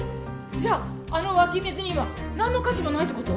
じゃああの湧き水にはなんの価値もないって事？